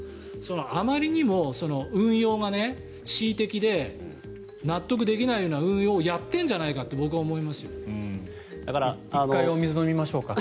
あまりにも運用が恣意的で納得できないような運用をやっているんじゃないかって１回お水飲みましょうか。